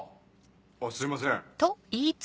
あっすいません。